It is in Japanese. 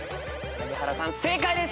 有田さん正解です。